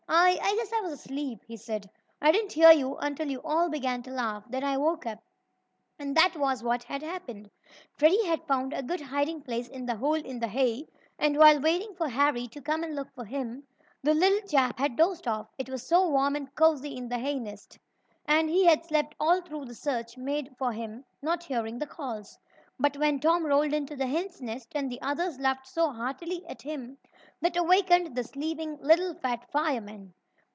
"I I guess I was asleep," he said. "I didn't hear you until you all began to laugh. Then I woke up." And that was what had happened. Freddie had found a good hiding place in a hole in the hay, and, while waiting for Harry to come and look for him, the little chap had dozed off, it was so warm and cozy in his hay nest. And he had slept all through the search made for him, not hearing the calls. But when Tom rolled into the hen's nest, and the others laughed so heartily at him, that awakened the sleeping "little fat fireman."